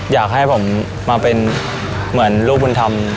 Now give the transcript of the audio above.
อยากให้ผมมาเป็นเหมือนลูกบุญธรรม